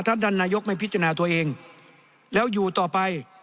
ท่านท่านนายกไม่พิจารณาตัวเองแล้วอยู่ต่อไป